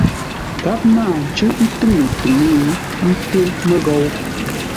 Gháp náa ncʉ́ʼ ntʉŋə-tʉŋə́ nté məghou.